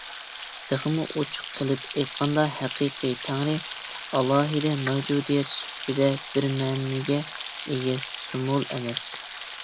تېخىمۇ ئوچۇق قىلىپ ئېيتقاندا ھەقىقىي تەڭرى، ئالاھىدە مەۋجۇدىيەت سۈپىتىدە بىر مەنىگە ئىگە سىمۋول ئەمەس.